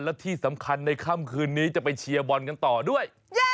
และที่สำคัญในค่ำคืนนี้จะไปเชียร์บอลกันต่อด้วย